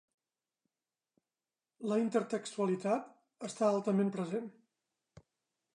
La intertextualitat està altament present.